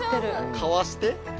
かわして前。